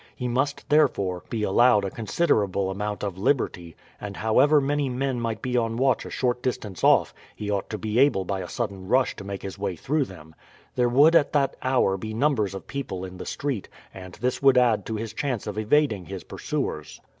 He must, therefore, be allowed a considerable amount of liberty; and, however many men might be on watch a short distance off, he ought to be able by a sudden rush to make his way through them. There would at that hour be numbers of people in the street, and this would add to his chance of evading his pursuers.